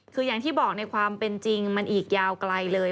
คืออย่างที่บอกในความเป็นจริงมันอีกยาวไกลเลย